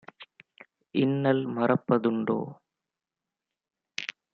இன்னல் மறப்ப துண்டோ?"